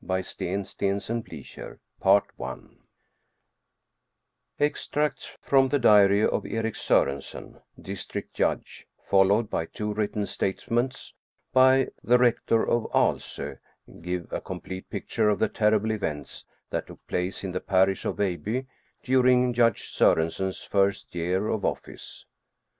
277 Steen Steensen Blicher The Rector of Veilbye extracts from the diary of Erik Sorensen, Dis trict Judge, followed by two written statements by the rector of Aalso, give a complete picture of the terrible events that took place in the parish of Veilbye during Judge Sorensen's first year of office.